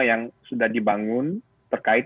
yang sudah dibangun terkait